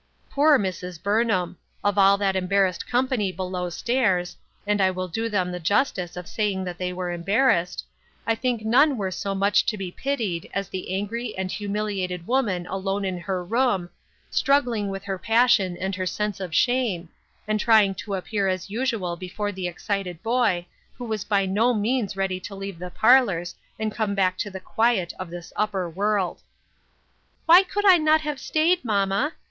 Poor Mrs. Burnham ! of all that embarrassed company below stairs — and I will do them the justice of saying that they were embarrassed — I think none were so much to be pitied as the angry and humiliated woman alone in her room, strug gling with her passion and her sense of shame, and trying to appear as usual before the excited boy, who was by no means ready to leave the parlors and come back to the quiet of this upper world. "Why could I not have staid, mamma?